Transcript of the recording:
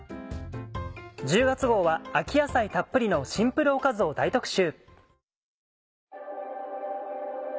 １０月号は秋野菜たっぷりのシンプルおかずを大特集。